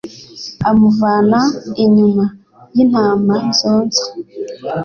amuvana inyuma y’intama zonsa